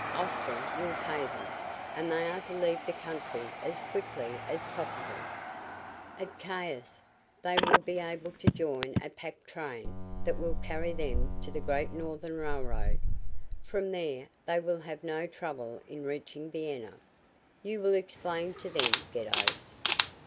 Ostrom will pay them, and they are to leave the country as quickly as possible. At Caias they will be able to join a pack train that will carry them to the Great Northern Railroad. From there they will have no trouble in reaching Vienna. You will explain to them, Geddos.